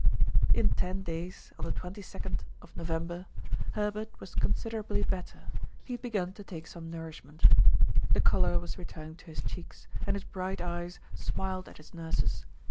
In ten days, on the 22nd of November, Herbert was considerably better. He had begun to take some nourishment. The color was returning to his cheeks, and his bright eyes smiled at his nurses.